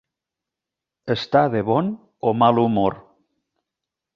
Estar de bon o mal humor.